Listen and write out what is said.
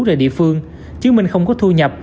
về địa phương chứng minh không có thu nhập